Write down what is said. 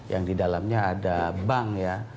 yang didalamnya ada bank ya